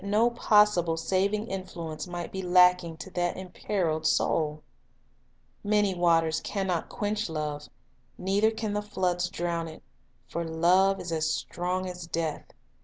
Aii Illustration of His Methods 93 possible saving influence might be lacking to that imperiled soul! " Many waters can not quench love, Neither can the floods drown it;" " For love is strong as death."